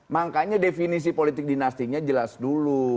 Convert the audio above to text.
makanya definisi politik dinastinya jelas dulu